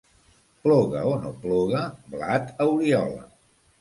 Ploga o no ploga, blat a Oriola.